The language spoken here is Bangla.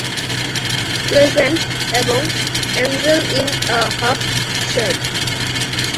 "প্লেজেন্ট" এবং "angel in a half shirt".